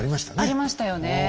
ありましたよね。